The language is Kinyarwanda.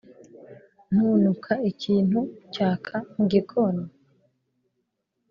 ntunuka ikintu cyaka mugikoni?